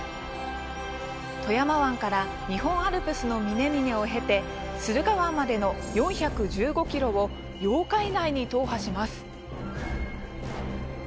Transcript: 富山湾から日本アルプスの峰々を経て駿河湾までの４１５ｋｍを８日以内に踏破します。